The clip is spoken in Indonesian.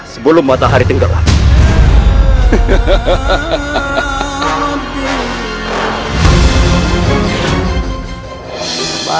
sebelum matahari terbenam